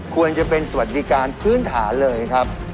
ควรจะเป็นสวัสดิการพื้นฐานเลยครับ